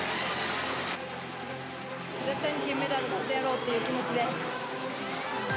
絶対に金メダルとってやろうっていう気持ちで。